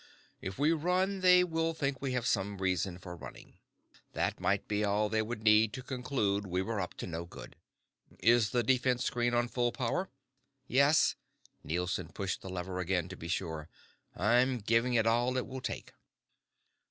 If we run, they will think we have some reason for running. That might be all they would need to conclude we are up to no good. Is the defense screen on full power?" "Yes." Nielson pushed the lever again to be sure. "I'm giving it all it will take."